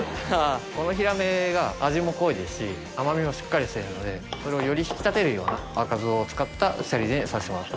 このヒラメが味も濃いですし甘味もしっかりしてるのでこれをより引き立てるような赤酢を使ったシャリにさせてもらってます。